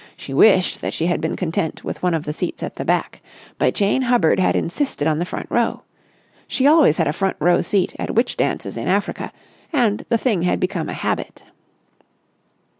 She wished that she had been content with one of the seats at the back. But Jane Hubbard had insisted on the front row. She always had a front row seat at witch dances in Africa, and the thing had become a habit.